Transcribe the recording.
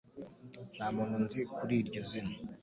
Nta muntu nzi kuri iryo zina